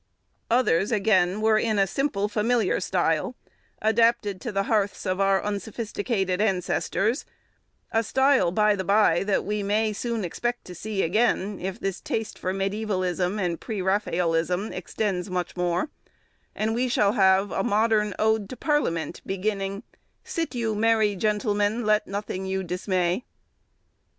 Others, again, were in a simple, familiar style, adapted to the hearths of our unsophisticated ancestors; a style, by the by, we may soon expect to see again, if the taste for mediævalism and præ Raphaelism extends much more, and we shall have a modern ode to parliament, beginning— "Sit you merry gentlemen, Let nothing you dismay."